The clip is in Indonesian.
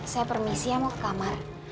saya permisi ya mau ke kamar